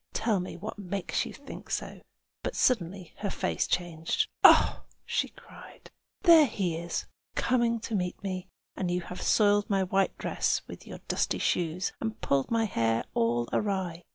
"Tell me what makes you think so!" But suddenly her face changed. "Oh!" she cried. "There he is, coming to meet me! And you have soiled my white dress with your dusty shoes, and pulled my hair all awry.